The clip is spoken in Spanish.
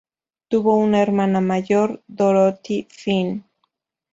Tuvo una hermana mayor, Dorothy Finn.